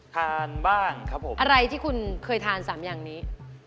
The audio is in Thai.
ทานบ้างครับผมอะไรที่คุณเคยทานสามอย่างนี้